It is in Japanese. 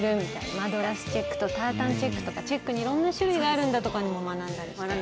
マドラスチェックとタータンチェックとかチェックに色んな種類があるんだとかも学んだりして。